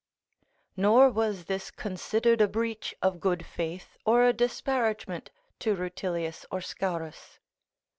["Nor was this considered a breach of good faith or a disparagement to Rutilius or Scaurus."